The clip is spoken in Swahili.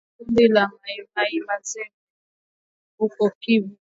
kundi la Mai Mai Mazembe katika wilaya ya Lubero huko Kivu Kaskazini